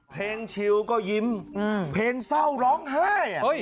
ชิวก็ยิ้มเพลงเศร้าร้องไห้